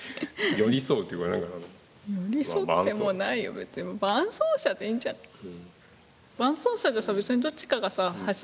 寄り添ってもないよ、別にでも伴走者でいいんじゃない？